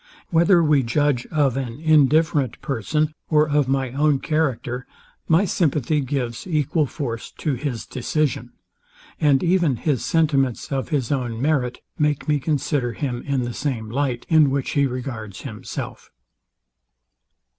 Whether we judge of an indifferent person, or of my own character, my sympathy gives equal force to his decision: And even his sentiments of his own merit make me consider him in the same light, in which he regards himself.